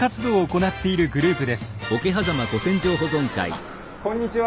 あっこんにちは。